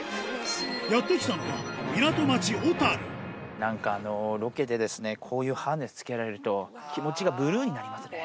やって来たのは、なんかロケでですね、こういうハーネスつけられると、気持ちがブルーになりますね。